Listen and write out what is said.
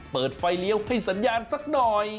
เปิดไฟเลี้ยวให้สัญญาณสักหน่อย